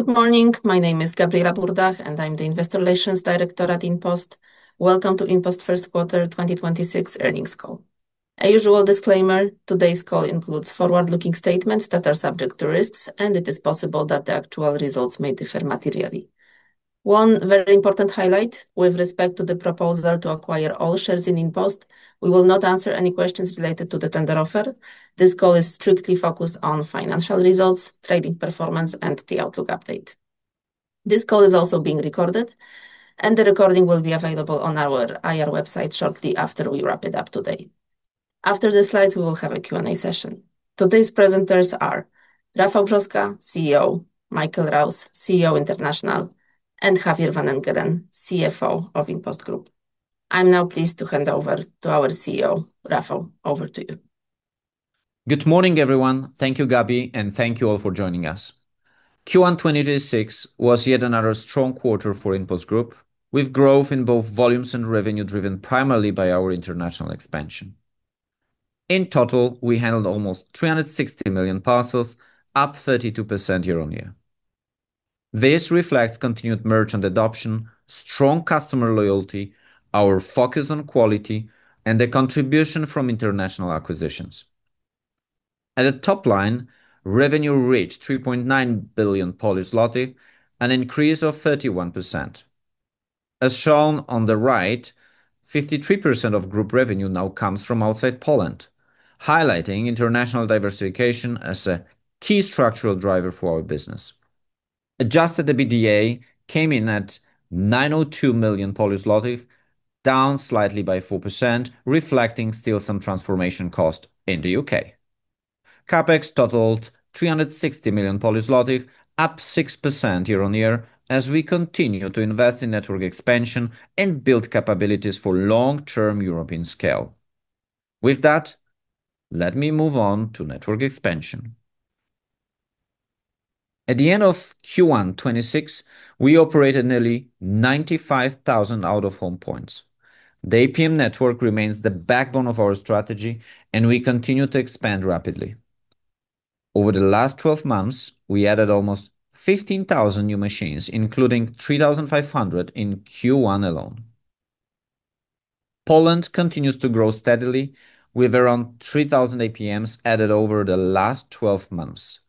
Good morning. My name is Gabriela Burdach, and I'm the Investor Relations Director at InPost. Welcome to InPost first quarter 2026 earnings call. Our usual disclaimer, today's call includes forward-looking statements that are subject to risks, and it is possible that the actual results may differ materially. One very important highlight with respect to the proposal to acquire all shares in InPost, we will not answer any questions related to the tender offer. This call is strictly focused on financial results, trading performance, and the outlook update. This call is also being recorded, and the recording will be available on our IR website shortly after we wrap it up today. After the slides, we will have a Q&A session. Today's presenters are Rafał Brzoska, CEO; Michael Rouse, CEO International; and Javier van Engelen, CFO of InPost Group. I'm now pleased to hand over to our CEO. Rafał, over to you. Good morning, everyone. Thank you, Gabi, and thank you all for joining us. Q1 2026 was yet another strong quarter for InPost Group, with growth in both volumes and revenue driven primarily by our international expansion. In total, we handled almost 360 million parcels, up 32% year-on-year. This reflects continued merchant adoption, strong customer loyalty, our focus on quality, and the contribution from international acquisitions. At the top line, revenue reached 3.9 billion Polish zloty, an increase of 31%. As shown on the right, 53% of group revenue now comes from outside Poland, highlighting international diversification as a key structural driver for our business. Adjusted EBITDA came in at 902 million, down slightly by 4%, reflecting still some transformation cost in the U.K. CapEx totaled 360 million, up 6% year-on-year as we continue to invest in network expansion and build capabilities for long-term European scale. With that, let me move on to network expansion. At the end of Q1 2026, we operated nearly 95,000 out-of-home points. The APM network remains the backbone of our strategy, and we continue to expand rapidly. Over the last 12 months, we added almost 15,000 new machines, including 3,500 in Q1 alone. Poland continues to grow steadily with around 3,000 APMs added over the last 12 months.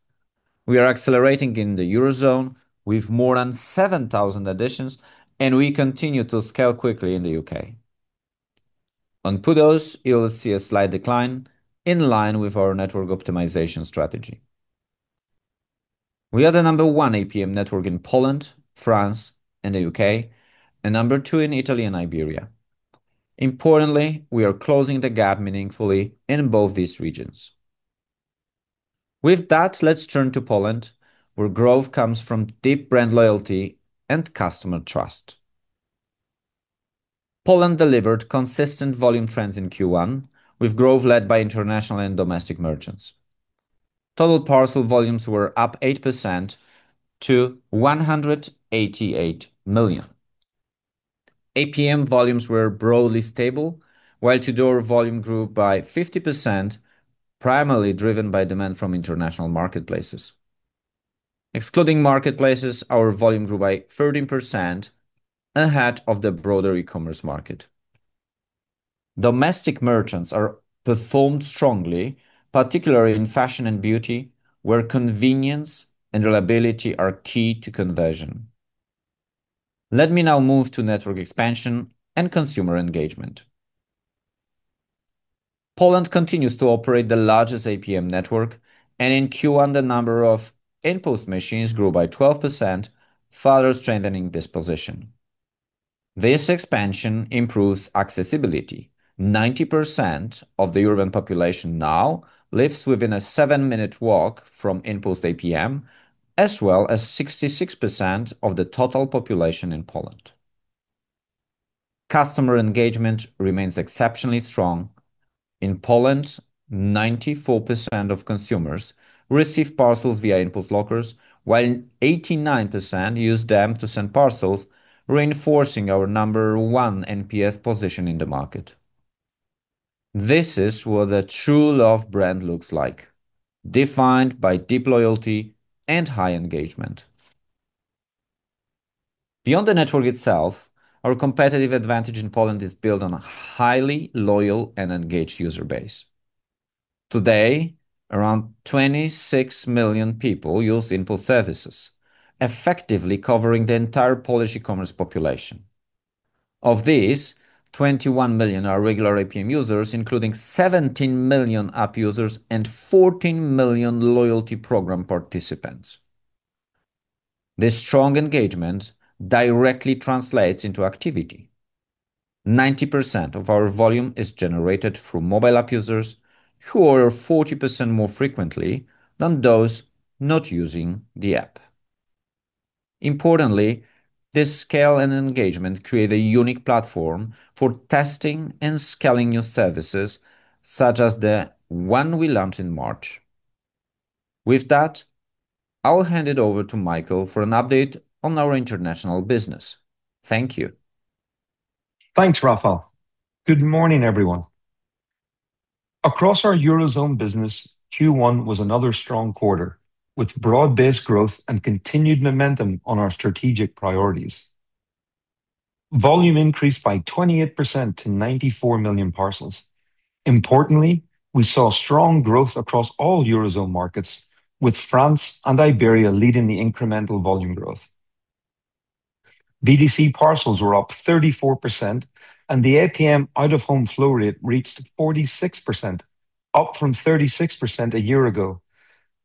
We are accelerating in the eurozone with more than 7,000 additions, and we continue to scale quickly in the U.K. On PUDOs, you will see a slight decline in line with our network optimization strategy. We are the number one APM network in Poland, France, and the U.K., and number two in Italy and Iberia. Importantly, we are closing the gap meaningfully in both these regions. With that, let's turn to Poland, where growth comes from deep brand loyalty and customer trust. Poland delivered consistent volume trends in Q1 with growth led by international and domestic merchants. Total parcel volumes were up 8% to 188 million. APM volumes were broadly stable, while to-door volume grew by 50%, primarily driven by demand from international marketplaces. Excluding marketplaces, our volume grew by 13% ahead of the broader e-commerce market. Domestic merchants are performed strongly, particularly in fashion and beauty, where convenience and reliability are key to conversion. Let me now move to network expansion and consumer engagement. Poland continues to operate the largest APM network, and in Q1, the number of InPost machines grew by 12%, further strengthening this position. This expansion improves accessibility. 90% of the urban population now lives within a seven minute walk from InPost APM, as well as 66% of the total population in Poland. Customer engagement remains exceptionally strong. In Poland, 94% of consumers receive parcels via InPost lockers, while 89% use them to send parcels, reinforcing our number one NPS position in the market. This is what a true love brand looks like, defined by deep loyalty and high engagement. Beyond the network itself, our competitive advantage in Poland is built on a highly loyal and engaged user base. Today, around 26 million people use InPost services, effectively covering the entire Polish e-commerce population. Of these, 21 million are regular APM users, including 17 million app users and 14 million loyalty program participants. This strong engagement directly translates into activity. 90% of our volume is generated through mobile app users who order 40% more frequently than those not using the app. Importantly, this scale and engagement create a unique platform for testing and scaling new services, such as the one we launched in March. With that, I will hand it over to Michael for an update on our international business. Thank you. Thanks, Rafał. Good morning, everyone. Across our Eurozone business, Q1 was another strong quarter with broad-based growth and continued momentum on our strategic priorities. Volume increased by 28% to 94 million parcels. Importantly, we saw strong growth across all Eurozone markets, with France and Iberia leading the incremental volume growth. B2C parcels were up 34% and the APM out-of-home flow rate reached 46%, up from 36% a year ago.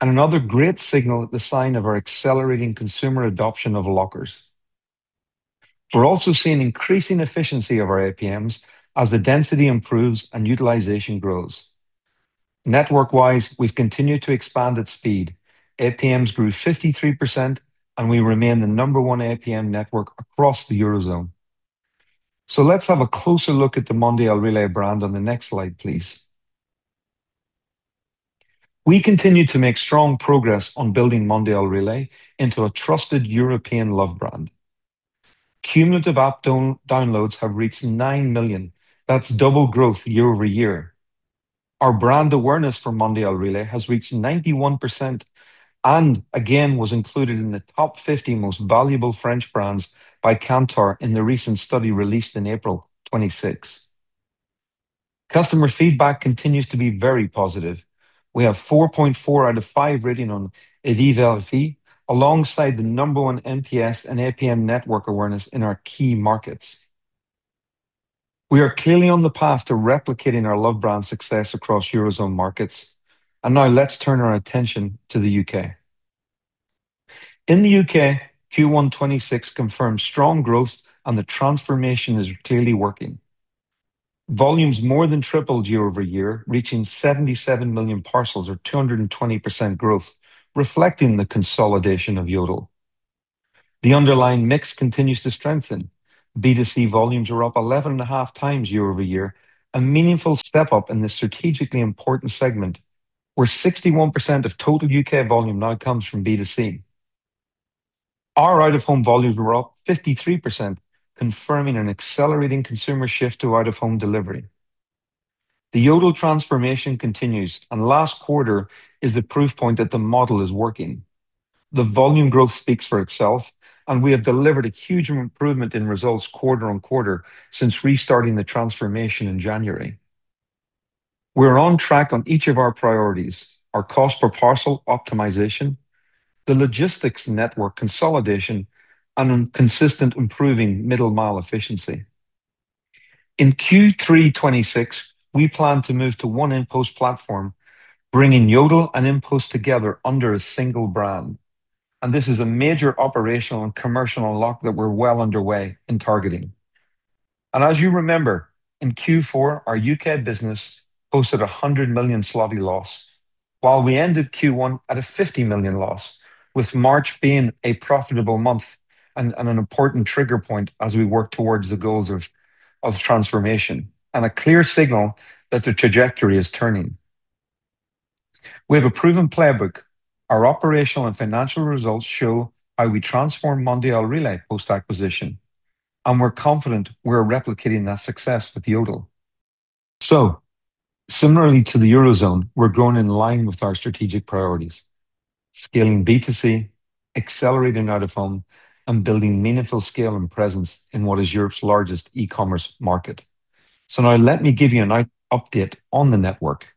Another great signal at the sign of our accelerating consumer adoption of lockers. We're also seeing increasing efficiency of our APMs as the density improves and utilization grows. Network-wise, we've continued to expand at speed. APMs grew 53%, and we remain the number one APM network across the Eurozone. Let's have a closer look at the Mondial Relay brand on the next slide, please. We continue to make strong progress on building Mondial Relay into a trusted European love brand. Cumulative app downloads have reached 9 million. That's double growth year-over-year. Our brand awareness for Mondial Relay has reached 91% and, again, was included in the top 50 most valuable French brands by Kantar in the recent study released in April 2026. Customer feedback continues to be very positive. We have 4.4 out of 5 rating on Avis Vérifiés, alongside the number one NPS and APM network awareness in our key markets. We are clearly on the path to replicating our love brand success across Eurozone markets. Now let's turn our attention to the U.K. In the U.K., Q1 2026 confirms strong growth. The transformation is clearly working. Volumes more than tripled year-over-year, reaching 77 million parcels or 220% growth, reflecting the consolidation of Yodel. The underlying mix continues to strengthen. B2C volumes are up 11.5x year-over-year, a meaningful step up in this strategically important segment where 61% of total U.K. volume now comes from B2C. Our out-of-home volumes were up 53%, confirming an accelerating consumer shift to out-of-home delivery. The Yodel transformation continues, last quarter is the proof point that the model is working. The volume growth speaks for itself, we have delivered a huge improvement in results quarter-on-quarter since restarting the transformation in January. We're on track on each of our priorities, our cost per parcel optimization, the logistics network consolidation, and consistent improving middle mile efficiency. In Q3 2026, we plan to move to one InPost platform, bringing Yodel and InPost together under a single brand. This is a major operational and commercial unlock that we're well underway in targeting. As you remember, in Q4, our U.K. business posted a 100 million EBITDA loss while we ended Q1 at a 50 million loss, with March being a profitable month and an important trigger point as we work towards the goals of transformation and a clear signal that the trajectory is turning. We have a proven playbook. Our operational and financial results show how we transform Mondial Relay post-acquisition, and we're confident we're replicating that success with Yodel. Similarly to the Eurozone, we're growing in line with our strategic priorities, scaling B2C, accelerating out-of-home, and building meaningful scale and presence in what is Europe's largest e-commerce market. Now let me give you an update on the network.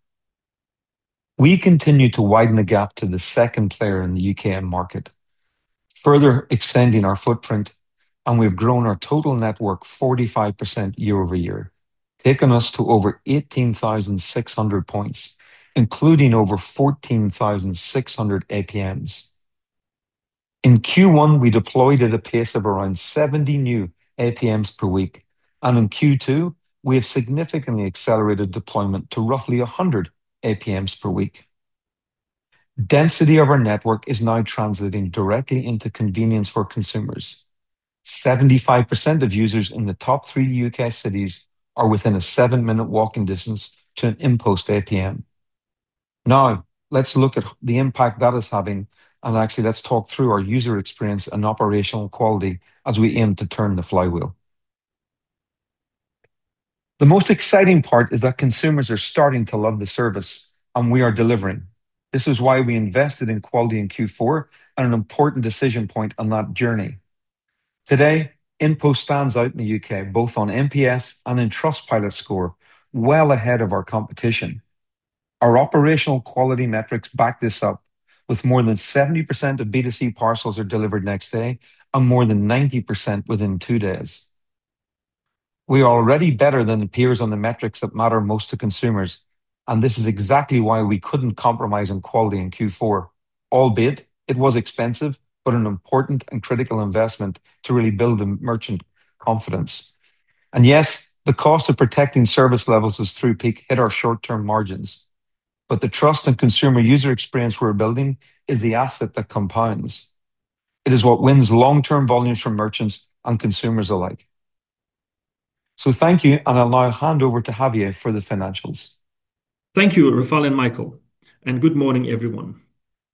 We continue to widen the gap to the second player in the U.K. market, further extending our footprint, and we've grown our total network 45% year-over-year, taking us to over 18,600 points, including over 14,600 APMs. In Q1, we deployed at a pace of around 70 new APMs per week, and in Q2 we have significantly accelerated deployment to roughly 100 APMs per week. Density of our network is now translating directly into convenience for consumers. 75% of users in the top three U.K. cities are within a seven minute walking distance to an InPost APM. Now let's look at the impact that is having and actually let's talk through our user experience and operational quality as we aim to turn the flywheel. The most exciting part is that consumers are starting to love the service, and we are delivering. This is why we invested in quality in Q4 at an important decision point on that journey. Today, InPost stands out in the U.K., both on NPS and in Trustpilot score, well ahead of our competition. Our operational quality metrics back this up with more than 70% of B2C parcels are delivered next day and more than 90% within two days. We are already better than the peers on the metrics that matter most to consumers, and this is exactly why we couldn't compromise on quality in Q4. Albeit it was expensive, but an important and critical investment to really build the merchant confidence. Yes, the cost of protecting service levels as through peak hit our short-term margins, but the trust and consumer user experience we're building is the asset that compounds. It is what wins long-term volumes from merchants and consumers alike. Thank you, and I'll now hand over to Javier for the financials. Thank you, Rafał and Michael. Good morning, everyone.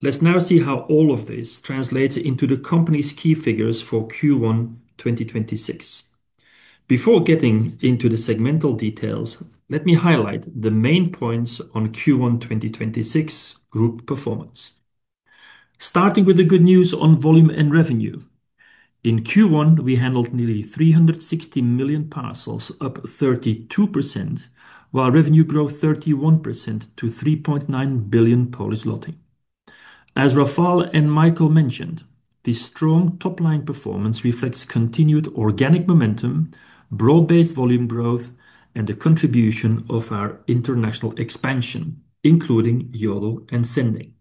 Let's now see how all of this translates into the company's key figures for Q1 2026. Before getting into the segmental details, let me highlight the main points on Q1 2026 group performance. Starting with the good news on volume and revenue. In Q1, we handled nearly 360 million parcels, up 32%, while revenue growth 31% to 3.9 billion. As Rafał and Michael mentioned, this strong top-line performance reflects continued organic momentum, broad-based volume growth, and the contribution of our international expansion, including Yodel and Sending.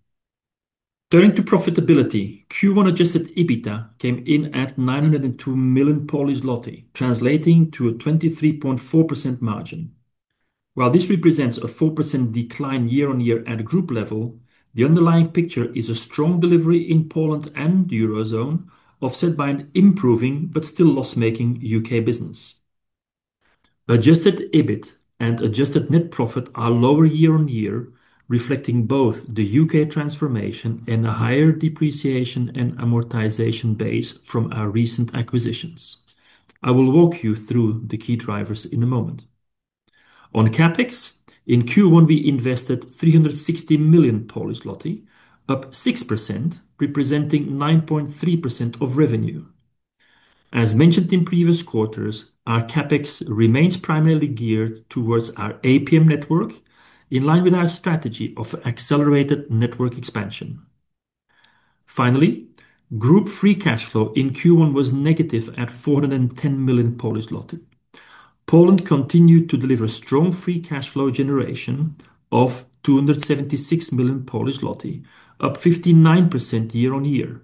Turning to profitability, Q1 adjusted EBITDA came in at 902 million zloty, translating to a 23.4% margin. While this represents a 4% decline year-on-year at a group level, the underlying picture is a strong delivery in Poland and the Eurozone, offset by an improving but still loss-making U.K. business. Adjusted EBIT and adjusted net profit are lower year-on-year, reflecting both the U.K. transformation and a higher Depreciation and Amortization base from our recent acquisitions. I will walk you through the key drivers in a moment. On CapEx, in Q1, we invested 360 million, up 6%, representing 9.3% of revenue. As mentioned in previous quarters, our CapEx remains primarily geared towards our APM network in line with our strategy of accelerated network expansion. Finally, group free cash flow in Q1 was negative at 410 million. Poland continued to deliver strong free cash flow generation of 276 million, up 59% year-on-year.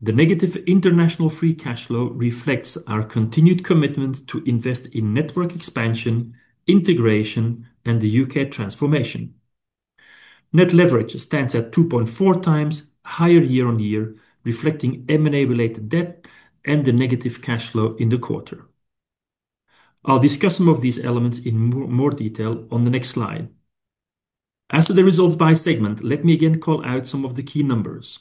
The negative international free cash flow reflects our continued commitment to invest in network expansion, integration, and the U.K. transformation. Net leverage stands at 2.4x higher year-on-year, reflecting M&A related debt and the negative cash flow in the quarter. I'll discuss some of these elements in more detail on the next slide. As to the results by segment, let me again call out some of the key numbers.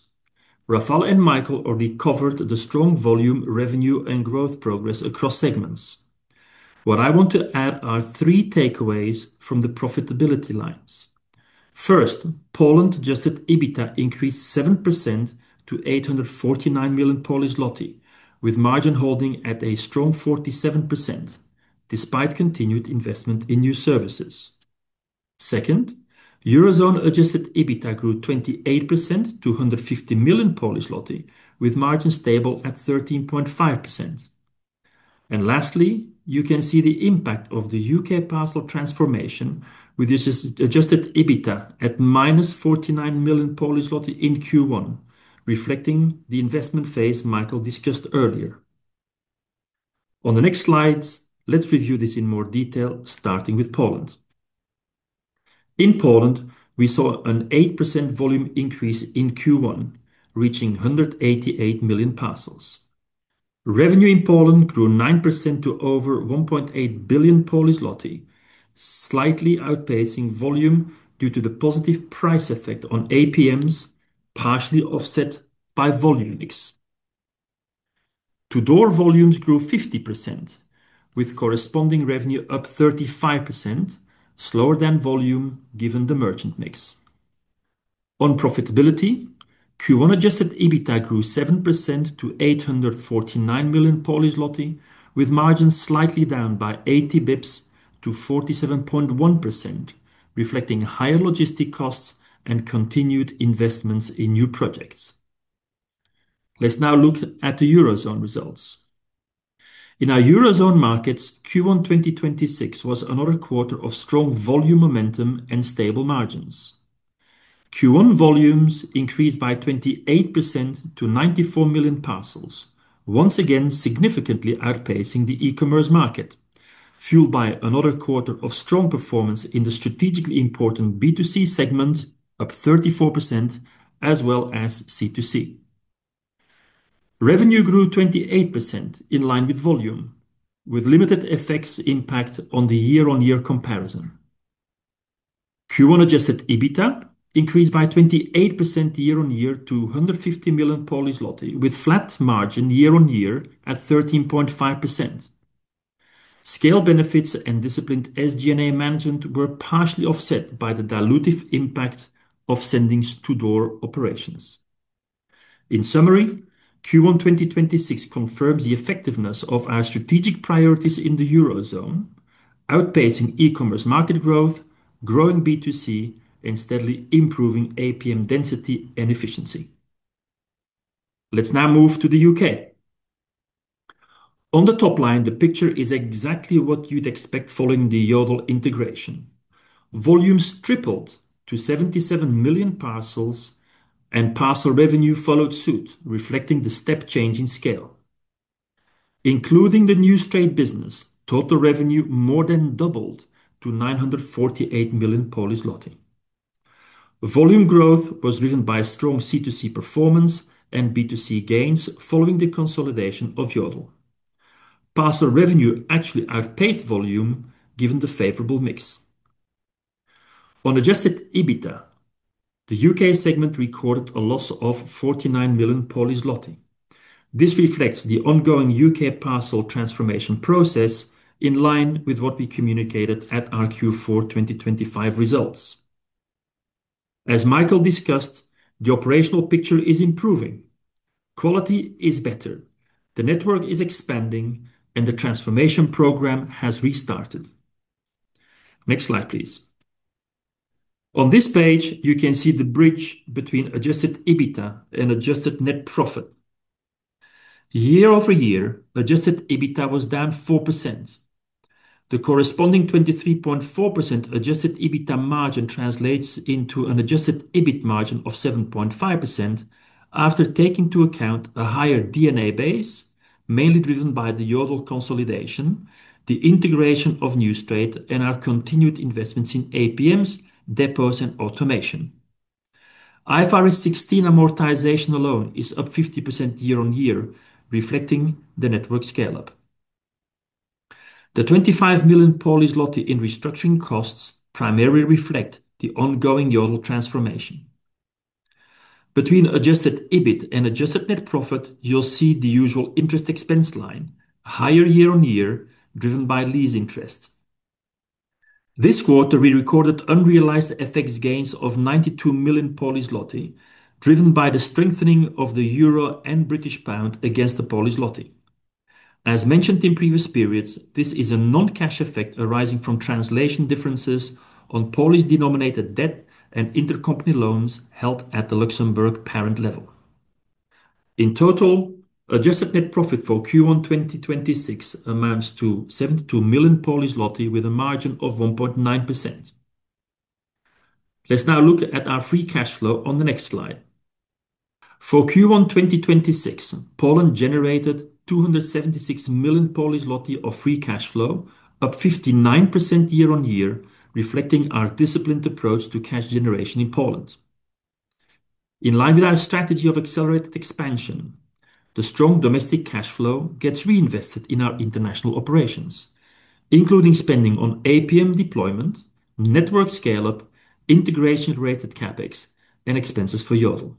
Rafał and Michael already covered the strong volume, revenue, and growth progress across segments. What I want to add are three takeaways from the profitability lines. First, Poland adjusted EBITDA increased 7% to 849 million, with margin holding at a strong 47% despite continued investment in new services. Second, Eurozone adjusted EBITDA grew 28% to 150 million, with margin stable at 13.5%. Lastly, you can see the impact of the U.K. parcel transformation with this is adjusted EBITDA at -49 million in Q1, reflecting the investment phase Michael discussed earlier. On the next slides, let's review this in more detail, starting with Poland. In Poland, we saw an 8% volume increase in Q1, reaching 188 million parcels. Revenue in Poland grew 9% to over 1.8 billion, slightly outpacing volume due to the positive price effect on APMs, partially offset by volume mix. to-door volumes grew 50%, with corresponding revenue up 35% slower than volume given the merchant mix. On profitability, Q1 adjusted EBITDA grew 7% to 849 million, with margins slightly down by 80 basis points to 47.1%, reflecting higher logistic costs and continued investments in new projects. Let's now look at the Eurozone results. In our Eurozone markets, Q1 2026 was another quarter of strong volume momentum and stable margins. Q1 volumes increased by 28% to 94 million parcels, once again significantly outpacing the e-commerce market, fueled by another quarter of strong performance in the strategically important B2C segment, up 34% as well as C2C. Revenue grew 28% in line with volume, with limited FX impact on the year-on-year comparison. Q1 adjusted EBITDA increased by 28% year-on-year to 150 million, with flat margin year-on-year at 13.5%. Scale benefits and disciplined SG&A management were partially offset by the dilutive impact of to-door operations. In summary, Q1 2026 confirms the effectiveness of our strategic priorities in the Eurozone, outpacing e-commerce market growth, growing B2C, and steadily improving APM density and efficiency. Let's now move to the U.K. On the top line, the picture is exactly what you'd expect following the Yodel integration. Volumes tripled to 77 million parcels, and parcel revenue followed suit, reflecting the step change in scale. Including the Newstrade business, total revenue more than doubled to 948 million. Volume growth was driven by strong C2C performance and B2C gains following the consolidation of Yodel. Parcel revenue actually outpaced volume given the favorable mix. On adjusted EBITDA, the U.K. segment recorded a loss of 49 million. This reflects the ongoing U.K. parcel transformation process in line with what we communicated at our Q4 2025 results. As Michael discussed, the operational picture is improving. Quality is better, the network is expanding, and the transformation program has restarted. Next slide, please. On this page, you can see the bridge between adjusted EBITDA and adjusted net profit. year-over-year, adjusted EBITDA was down 4%. The corresponding 23.4% adjusted EBITDA margin translates into an adjusted EBIT margin of 7.5% after taking into account a higher D&A base, mainly driven by the Yodel consolidation, the integration of Newstrade, and our continued investments in APMs, depots and automation. IFRS 16 amortization alone is up 50% year-on-year, reflecting the network scale-up. The 25 million in restructuring costs primarily reflect the ongoing Yodel transformation. Between adjusted EBIT and adjusted net profit, you'll see the usual interest expense line higher year-over-year, driven by lease interest. This quarter, we recorded unrealized FX gains of 92 million, driven by the strengthening of the EUR and GBP against the PLN. As mentioned in previous periods, this is a non-cash effect arising from translation differences on Polish-denominated debt and intercompany loans held at the Luxembourg parent level. In total, adjusted net profit for Q1 2026 amounts to 72 million with a margin of 1.9%. Let's now look at our free cash flow on the next slide. For Q1 2026, Poland generated 276 million of free cash flow, up 59% year-over-year, reflecting our disciplined approach to cash generation in Poland. In line with our strategy of accelerated expansion, the strong domestic cash flow gets reinvested in our international operations, including spending on APM deployment, network scale-up, integration-related CapEx, and expenses for Yodel.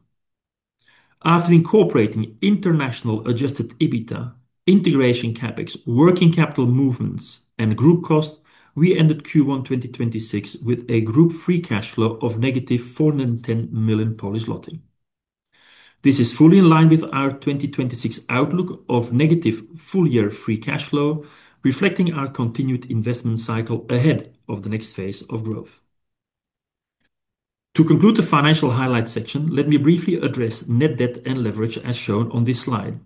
After incorporating international adjusted EBITDA, integration CapEx, working capital movements and group costs, we ended Q1 2026 with a group free cash flow of negative 410 million. This is fully in line with our 2026 outlook of negative full-year free cash flow, reflecting our continued investment cycle ahead of the next phase of growth. To conclude the financial highlights section, let me briefly address net debt and leverage as shown on this slide.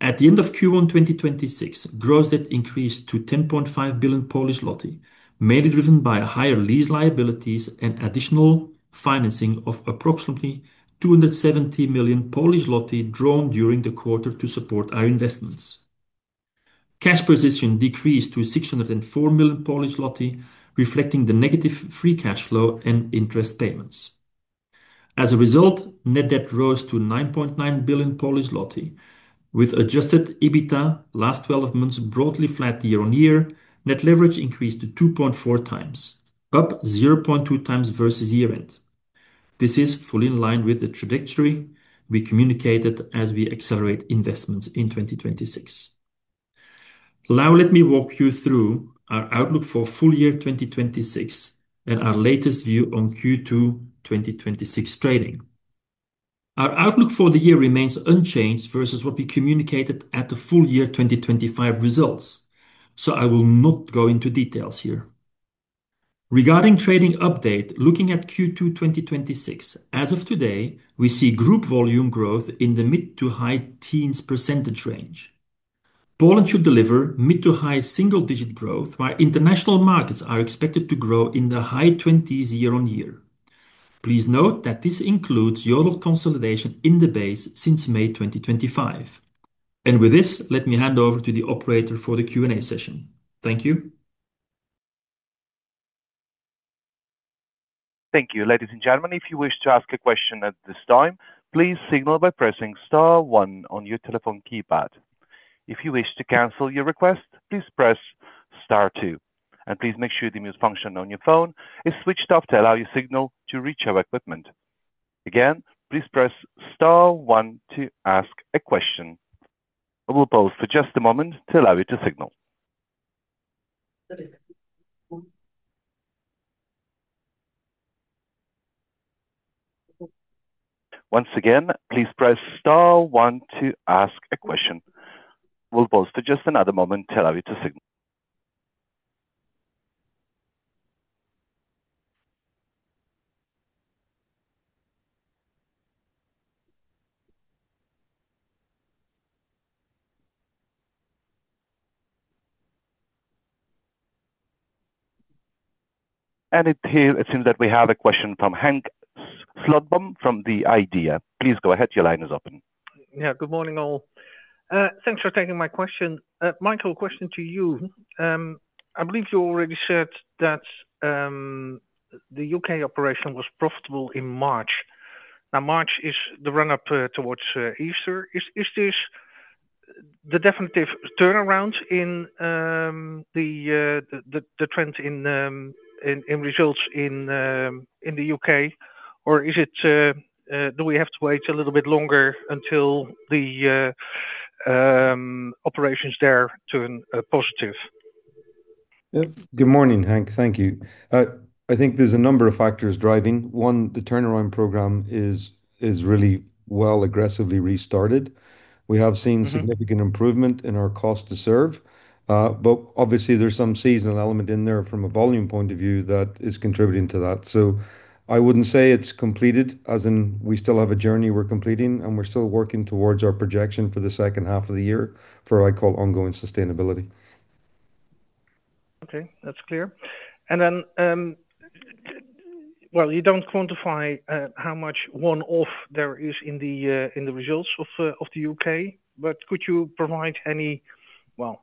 At the end of Q1 2026, gross debt increased to 10.5 billion, mainly driven by higher lease liabilities and additional financing of approximately 270 million drawn during the quarter to support our investments. Cash position decreased to 604 million, reflecting the negative free cash flow and interest payments. As a result, net debt rose to 9.9 billion. With adjusted EBITDA last 12 months broadly flat year-on-year, net leverage increased to 2.4x, up 0.2x versus year-end. This is fully in line with the trajectory we communicated as we accelerate investments in 2026. Now let me walk you through our outlook for full year 2026 and our latest view on Q2 2026 trading. Our outlook for the year remains unchanged versus what we communicated at the full year 2025 results, so I will not go into details here. Regarding trading update, looking at Q2 2026, as of today, we see group volume growth in the mid to high teens percentage range. Poland should deliver mid to high single-digit growth, while international markets are expected to grow in the high twenties year-on-year. Please note that this includes Yodel consolidation in the base since May 2025. With this, let me hand over to the operator for the Q&A session. Thank you. Thank you. Ladies and gentlemen, if you wish to ask a question at this time, please signal by pressing star one on your telephone keypad. If you wish to cancel your request, please press star two, and please make sure the mute function on your phone is switched off to allow your signal to reach our equipment. Again, please press star one to ask a question. I will pause for just a moment to allow you to signal. Once again, please press star 1 to ask a question. We'll pause for just another moment to allow you to signal. It seems that we have a question from Henk Slotboom from The IDEA!. Please go ahead. Your line is open. Yeah. Good morning, all. Thanks for taking my question. Michael, question to you. I believe you already said that the U.K. operation was profitable in March. Now March is the run up towards Easter. Is this the definitive turnaround in the trend in results in the U.K. or is it do we have to wait a little bit longer until the operations there turn positive? Yeah. Good morning, Henk. Thank you. I think there's a number of factors driving. One, the turnaround program is really well aggressively restarted. We have seen significant improvement in our cost to serve. Obviously there's some seasonal element in there from a volume point of view that is contributing to that. I wouldn't say it's completed, as in we still have a journey we're completing and we're still working towards our projection for the second half of the year for what I call ongoing sustainability. Okay. That's clear. Well, you don't quantify how much one-off there is in the results of the U.K., but could you provide any, well,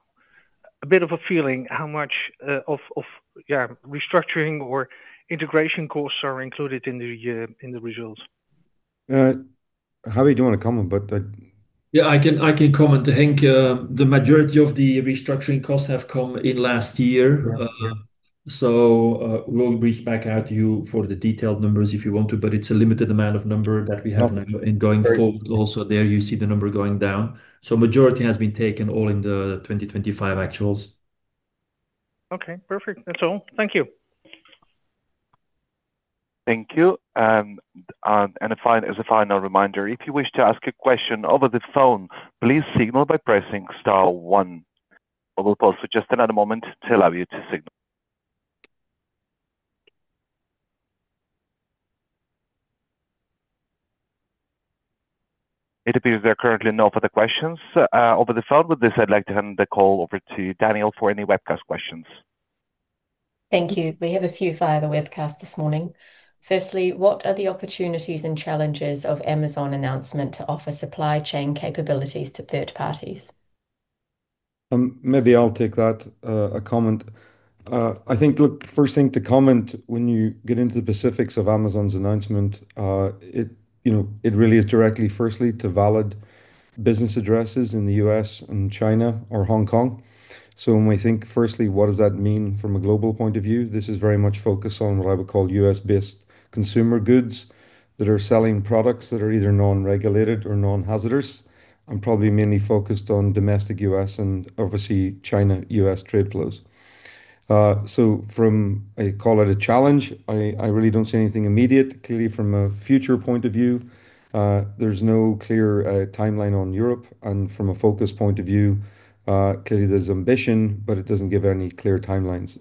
a bit of a feeling how much of, yeah, restructuring or integration costs are included in the results? Javier, do you want to comment? Yeah, I can comment. Henk, the majority of the restructuring costs have come in last year. We'll reach back out to you for the detailed numbers if you want to, but it's a limited amount of number that we have now. Okay. Going forward also there you see the number going down. Majority has been taken all in the 2025 actuals. Okay. Perfect. That's all. Thank you. Thank you. As a final reminder, if you wish to ask a question over the phone, please signal by pressing star one. I will pause for just another moment to allow you to signal. It appears there are currently no further questions over the phone. With this, I'd like to hand the call over to Gabriela for any webcast questions. Thank you. We have a few via the webcast this morning. Firstly, what are the opportunities and challenges of Amazon announcement to offer supply chain capabilities to third parties? Maybe I'll take that comment. I think, look, first thing to comment when you get into the specifics of Amazon's announcement, it, you know, it really is directly firstly to valid business addresses in the U.S. and China or Hong Kong. When we think firstly what does that mean from a global point of view, this is very much focused on what I would call U.S.-based consumer goods that are selling products that are either non-regulated or non-hazardous, and probably mainly focused on domestic U.S. and obviously China-U.S. trade flows. From, I call it a challenge, I really don't see anything immediate. Clearly from a future point of view, there's no clear timeline on Europe. From a focus point of view, clearly there's ambition, but it doesn't give any clear timelines.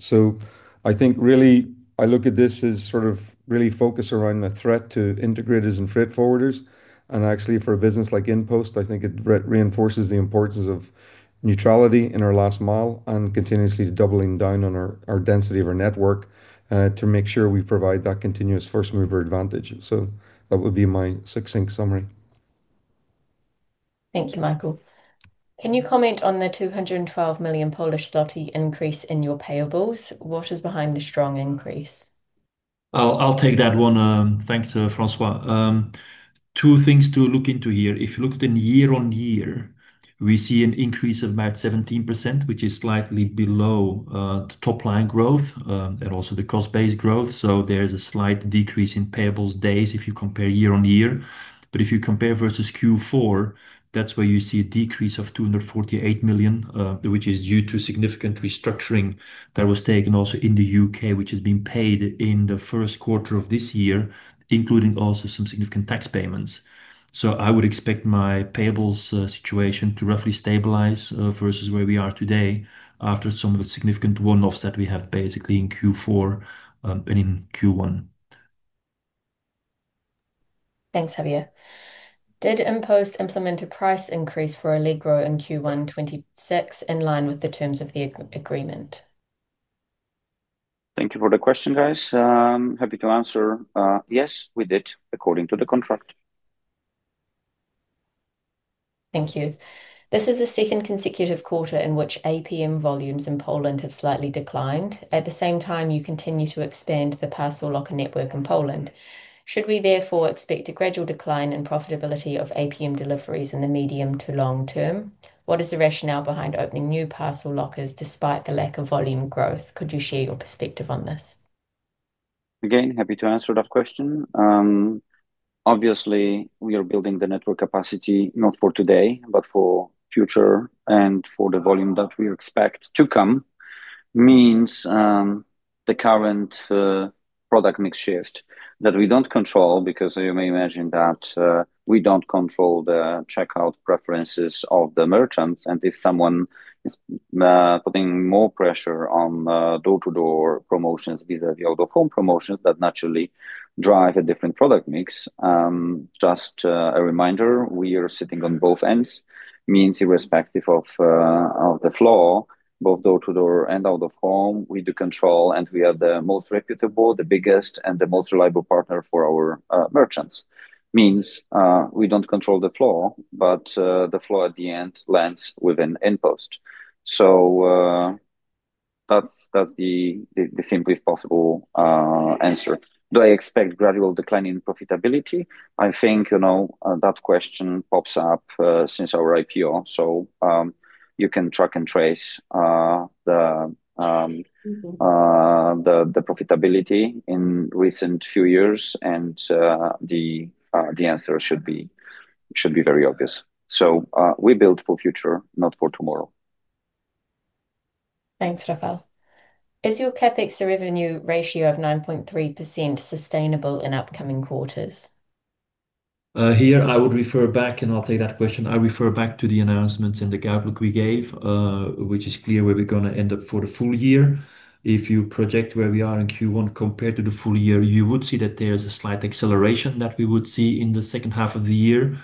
I think really I look at this as sort of really focused around the threat to integrators and freight forwarders. Actually for a business like InPost, I think it reinforces the importance of neutrality in our last mile and continuously doubling down on our density of our network to make sure we provide that continuous first mover advantage. That would be my succinct summary. Thank you, Michael. Can you comment on the 212 million Polish zloty increase in your payables? What is behind the strong increase? I'll take that one, thanks, Francois. Two things to look into here. If you look at in year-on-year, we see an increase of about 17%, which is slightly below the top line growth and also the cost base growth. There is a slight decrease in payables days if you compare year-on-year. If you compare versus Q4, that's where you see a decrease of 248 million, which is due to significant restructuring that was taken also in the U.K., which is being paid in the first quarter of this year, including also some significant tax payments. I would expect my payables situation to roughly stabilize versus where we are today after some of the significant one-offs that we have basically in Q4 and in Q1. Thanks, Javier. Did InPost implement a price increase for Allegro in Q1 2026 in line with the terms of the agreement? Thank you for the question, guys. Happy to answer. Yes, we did, according to the contract. Thank you. This is the second consecutive quarter in which APM volumes in Poland have slightly declined. At the same time, you continue to expand the parcel locker network in Poland. Should we therefore expect a gradual decline in profitability of APM deliveries in the medium to long term? What is the rationale behind opening new parcel lockers despite the lack of volume growth? Could you share your perspective on this? Again, happy to answer that question. Obviously, we are building the network capacity not for today, but for future and for the volume that we expect to come. The current product mix shift that we don't control because you may imagine that we don't control the checkout preferences of the merchants. If someone is putting more pressure on door-to-door promotions vis-a-vis out-of-home promotions, that naturally drive a different product mix. Just a reminder, we are sitting on both ends, irrespective of the floor, both door-to-door and out-of-home, we do control and we are the most reputable, the biggest and the most reliable partner for our merchants. We don't control the floor, but the floor at the end lands within InPost. That's the simplest possible answer. Do I expect gradual decline in profitability? I think, you know, that question pops up since our IPO. You can track and trace the. The profitability in recent few years and, the answer should be very obvious. We build for future, not for tomorrow. Thanks, Rafał. Is your CapEx to revenue ratio of 9.3% sustainable in upcoming quarters? Here I would refer back, and I'll take that question. I refer back to the announcements in the outlook we gave, which is clear where we're gonna end up for the full year. If you project where we are in Q1 compared to the full year, you would see that there's a slight acceleration that we would see in the second half of the year,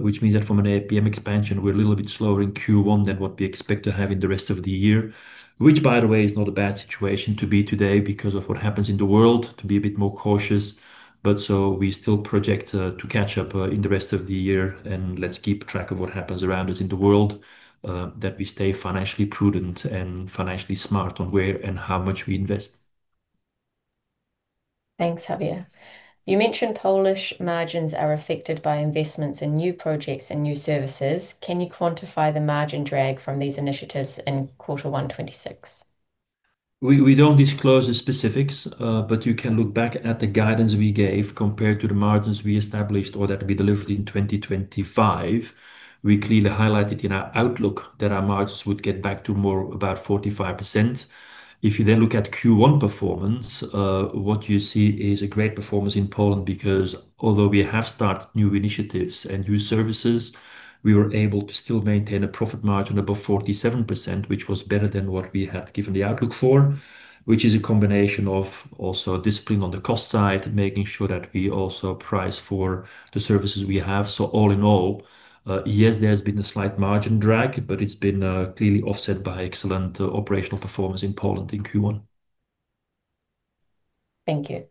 which means that from an APM expansion, we're a little bit slower in Q1 than what we expect to have in the rest of the year. Which, by the way, is not a bad situation to be today because of what happens in the world, to be a bit more cautious. We still project to catch up in the rest of the year, and let's keep track of what happens around us in the world, that we stay financially prudent and financially smart on where and how much we invest. Thanks, Javier. You mentioned Polish margins are affected by investments in new projects and new services. Can you quantify the margin drag from these initiatives in quarter one 2026? We don't disclose the specifics, but you can look back at the guidance we gave compared to the margins we established or that we delivered in 2025. We clearly highlighted in our outlook that our margins would get back to more about 45%. If you then look at Q1 performance, what you see is a great performance in Poland because although we have started new initiatives and new services, we were able to still maintain a profit margin above 47%, which was better than what we had given the outlook for, which is a combination of also discipline on the cost side, making sure that we also price for the services we have. All in all, yes, there's been a slight margin drag, it's been clearly offset by excellent operational performance in Poland in Q1. Thank you.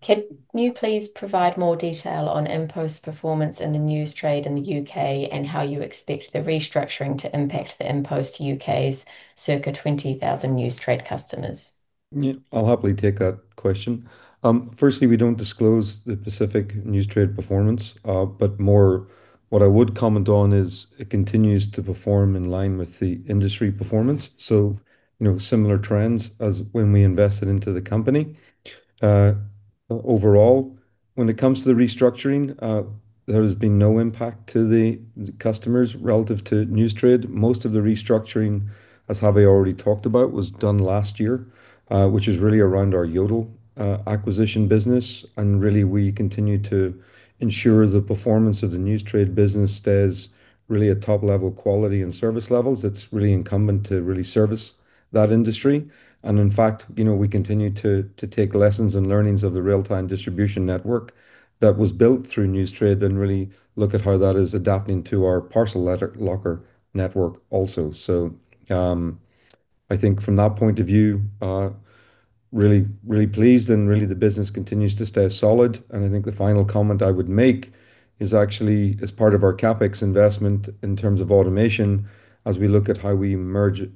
Can you please provide more detail on InPost performance in the Newstrade in the U.K. and how you expect the restructuring to impact the InPost U.K.'s circa 20,000Newstrade customers? Yeah, I'll happily take that question. Firstly, we don't disclose the specific Newstrade performance, but more what I would comment on is it continues to perform in line with the industry performance, so, you know, similar trends as when we invested into the company. Overall, when it comes to the restructuring, there has been no impact to the customers relative to Newstrade. Most of the restructuring, as Javier already talked about, was done last year, which is really around our Yodel acquisition business. Really, we continue to ensure the performance of the Newstrade business stays really a top-level quality and service levels. It's really incumbent to really service that industry. In fact, you know, we continue to take lessons and learnings of the real-time distribution network that was built through Newstrade and really look at how that is adapting to our parcel letter locker network also. I think from that point of view, really pleased and really the business continues to stay solid. I think the final comment I would make is actually as part of our CapEx investment in terms of automation, as we look at how we merge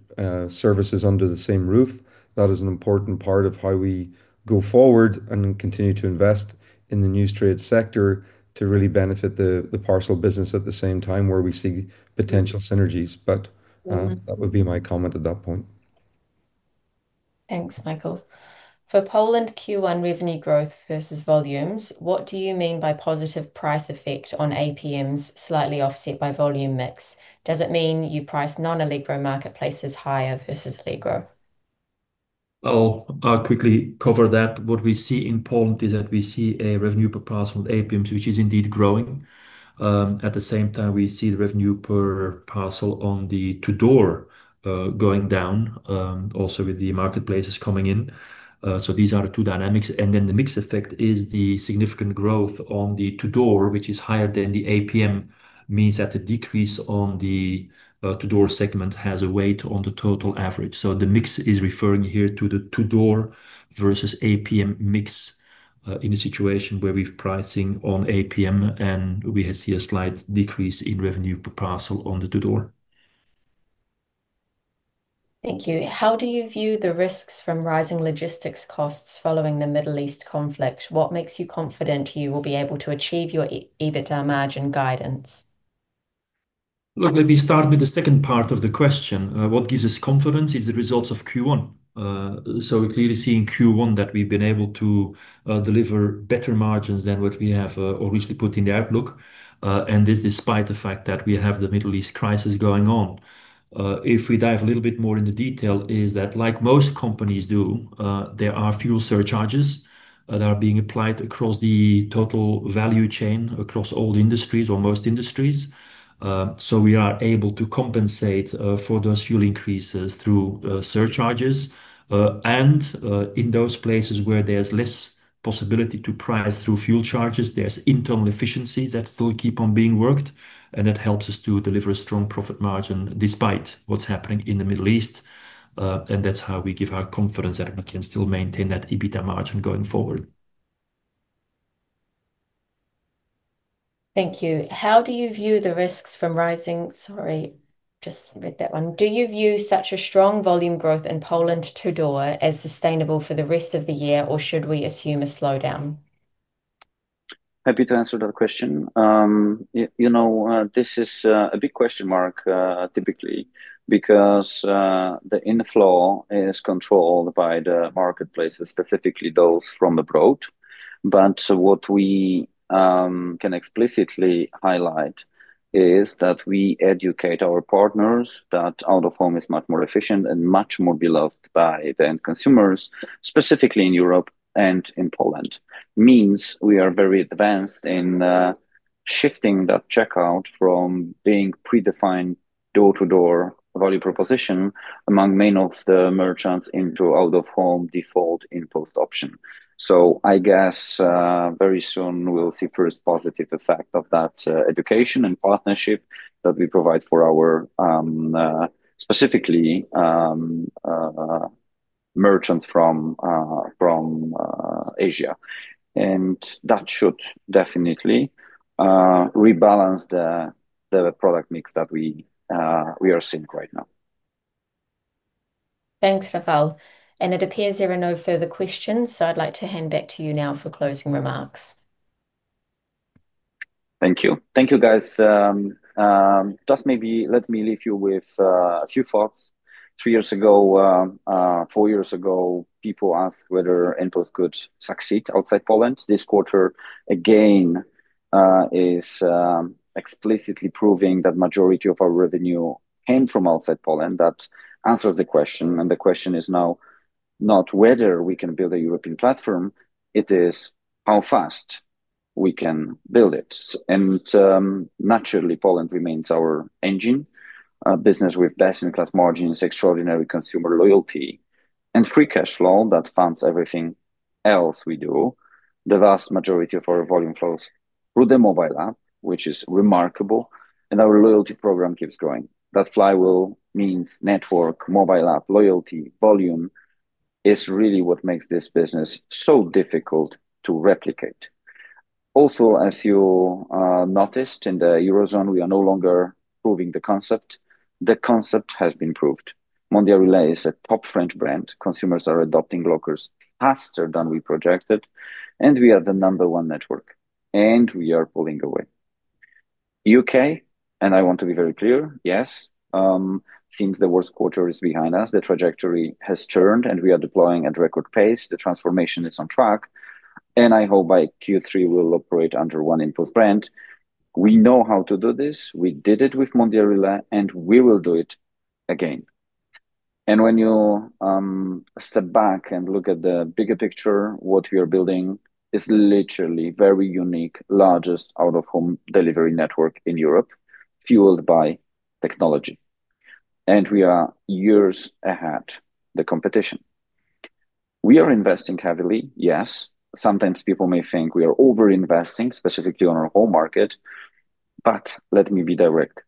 services under the same roof. That is an important part of how we go forward and continue to invest in the Newstrade sector to really benefit the parcel business at the same time where we see potential synergies. That would be my comment at that point. Thanks, Michael. For Poland Q1 revenue growth versus volumes, what do you mean by positive price effect on APMs slightly offset by volume mix? Does it mean you price non-Allegro marketplaces higher versus Allegro? I'll quickly cover that. What we see in Poland is that we see a revenue per parcel on APMs, which is indeed growing. At the same time, we see the revenue per parcel on the to-door going down also with the marketplaces coming in. These are the two dynamics. The mix effect is the significant growth on the to-door, which is higher than the APM, means that the decrease on the to-door segment has a weight on the total average. The mix is referring here to the to-door versus APM mix in a situation where we're pricing on APM and we see a slight decrease in revenue per parcel on the to-door. Thank you. How do you view the risks from rising logistics costs following the Middle East conflict? What makes you confident you will be able to achieve your EBITDA margin guidance? Let me start with the second part of the question. What gives us confidence is the results of Q1. We're clearly seeing Q1 that we've been able to deliver better margins than what we have originally put in the outlook. This despite the fact that we have the Middle East crisis going on. If we dive a little more into detail, is that like most companies do, there are fuel surcharges that are being applied across the total value chain across all industries or most industries. We are able to compensate for those fuel increases through surcharges. In those places where there's less possibility to price through fuel surcharges, there's internal efficiencies that still keep on being worked, and that helps us to deliver a strong profit margin despite what's happening in the Middle East. That's how we give our confidence that we can still maintain that EBITDA margin going forward. Thank you. Do you view such a strong volume growth in Poland to-door as sustainable for the rest of the year or should we assume a slowdown? Happy to answer that question. You know, this is a big question mark typically because the inflow is controlled by the marketplaces, specifically those from abroad. What we can explicitly highlight is that we educate our partners that out-of-home is much more efficient and much more beloved by the end consumers, specifically in Europe and in Poland. Means we are very advanced in shifting that checkout from being predefined door-to-door value proposition among many of the merchants into out-of-home default InPost option. I guess very soon we'll see first positive effect of that education and partnership that we provide for our specifically merchants from Asia. That should definitely rebalance the product mix that we are seeing right now. Thanks, Rafał. It appears there are no further questions, I'd like to hand back to you now for closing remarks. Thank you. Thank you, guys. Just maybe let me leave you with a few thoughts. Three years ago, four years ago, people asked whether InPost could succeed outside Poland. This quarter, again, is explicitly proving that majority of our revenue came from outside Poland. That answers the question. The question is now not whether we can build a European platform, it is how fast we can build it. Naturally, Poland remains our engine. Our business with best-in-class margins, extraordinary consumer loyalty, and free cash flow that funds everything else we do. The vast majority of our volume flows through the mobile app, which is remarkable. Our loyalty program keeps growing. That flywheel means network, mobile app, loyalty, volume is really what makes this business so difficult to replicate. Also, as you noticed in the Eurozone, we are no longer proving the concept. The concept has been proved. Mondial Relay is a top French brand. Consumers are adopting lockers faster than we projected, and we are the number one network, and we are pulling away. U.K., I want to be very clear, yes, seems the worst quarter is behind us. The trajectory has turned. We are deploying at record pace. The transformation is on track. I hope by Q3, we'll operate under one InPost brand. We know how to do this. We did it with Mondial Relay. We will do it again. When you step back and look at the bigger picture, what we are building is literally very unique, largest out-of-home delivery network in Europe, fueled by technology. We are years ahead the competition. We are investing heavily, yes. Sometimes people may think we are over-investing, specifically on our home market. Let me be direct,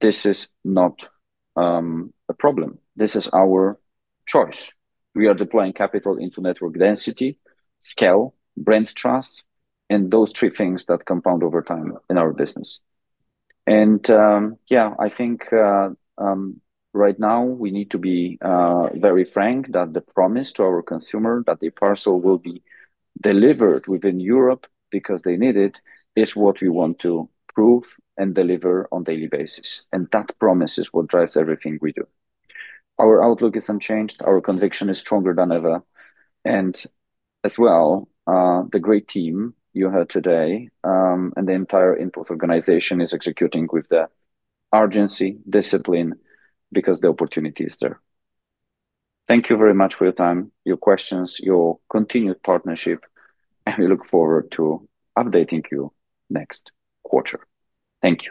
this is not a problem. This is our choice. We are deploying capital into network density, scale, brand trust, and those three things that compound over time in our business. I think right now we need to be very frank that the promise to our consumer that the parcel will be delivered within Europe because they need it is what we want to prove and deliver on daily basis. That promise is what drives everything we do. Our outlook is unchanged. Our conviction is stronger than ever. As well, the great team you heard today, and the entire InPost organization is executing with the urgency, discipline, because the opportunity is there. Thank you very much for your time, your questions, your continued partnership, and we look forward to updating you next quarter. Thank you.